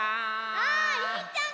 ありんちゃんか！